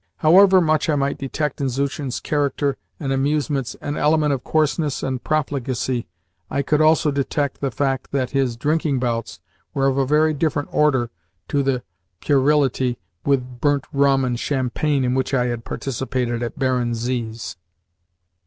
However much I might detect in Zuchin's character and amusements an element of coarseness and profligacy, I could also detect the fact that his drinking bouts were of a very different order to the puerility with burnt rum and champagne in which I had participated at Baron Z.'s.